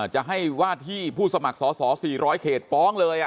จะให้ว่าที่ผู้สมัครสอสอ๔๐๐เขตฟ้องเลย